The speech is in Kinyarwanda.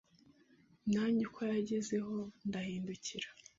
Nanjye uko yangezeho ndahindukira